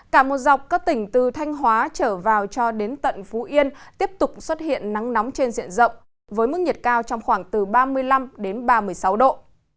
cả một dọc các tỉnh từ thanh hóa trở vào cho đến tận phú yên tiếp tục xuất hiện nắng nóng trên diện rộng với mức nhiệt cao trong khoảng từ ba mươi năm đến ba mươi sáu độ